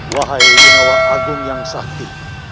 wahai imawa agung yang sakti